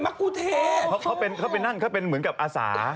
ไม่ใช่มกูเทไม่ใช่อาศา